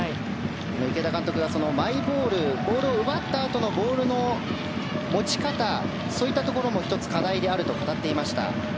池田監督がマイボールボールを奪ったあとのボールの持ち方そういったところも、１つ課題であるとも語っていました。